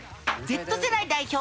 Ｚ世代代表